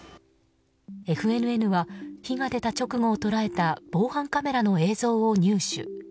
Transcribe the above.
ＦＮＮは、火が出た直後を捉えた防犯カメラの映像を入手。